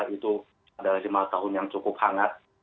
itu adalah lima tahun yang cukup hangat